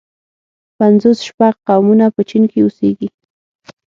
پنځوس شپږ قومونه په چين کې اوسيږي.